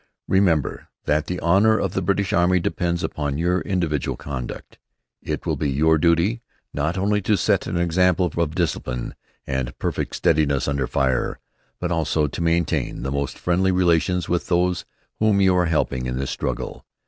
Remember that the honor of the British Army depends upon your individual conduct. It will be your duty not only to set an example of discipline and perfect steadiness under fire, but also to maintain the most friendly relations with those whom you are helping in this struggle.